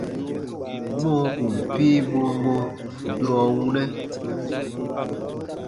Mɔɔ kùn piibuu mɔ durɔ wunɛ: